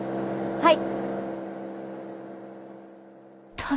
はい。